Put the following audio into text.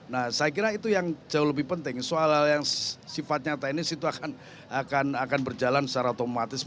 nah saya kira itu yang jauh lebih penting soal hal yang sifatnya teknis itu akan berjalan secara otomatis